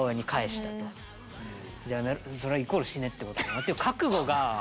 じゃあやめるそれはイコール死ねってことだなっていう覚悟が。